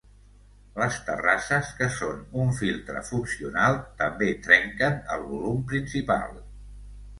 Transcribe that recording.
Les terrasses, que són un filtre funcional, també trenquen el volum principal.